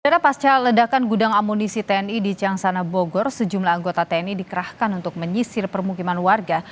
pada pasca ledakan gudang amunisi tni di cangsana bogor sejumlah anggota tni dikerahkan untuk menyisir permukiman warga